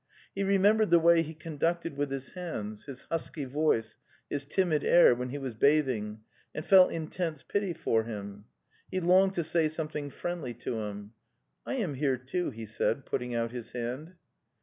He remembered the way he conducted with his hands, his husky voice, his timid air when he was bathing, and felt intense pity for him. He longed to say something friendly to him. ''T am here, too," he said, putting out his hand.